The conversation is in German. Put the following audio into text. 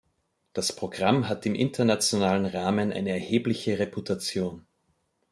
Das Programm hat im internationalen Rahmen eine erhebliche Reputation.